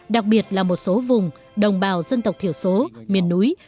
đặc biệt là một số vùng đồng bào dân tộc thiểu số miền núi